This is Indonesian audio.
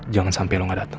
jangan sampe lo gak dateng